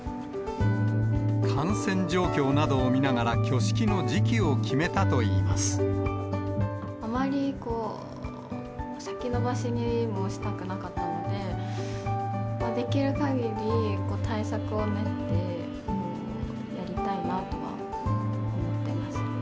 感染状況などを見ながら挙式あまりこう、先延ばしにもしたくなかったので、できるかぎり対策を練って、やりたいなとは思ってます。